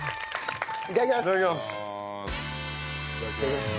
いただきます。